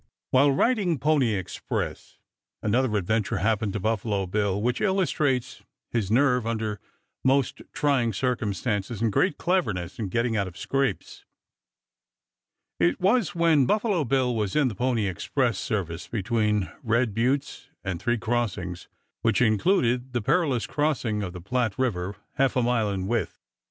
While riding Pony Express another adventure happened to Buffalo Bill which illustrates his nerve under most trying circumstances and great cleverness in getting out of scrapes. It was when Buffalo Bill was in the Pony Express service between Red Buttes and Three Crossings, which included the perilous crossing of the Platte River, half a mile in width.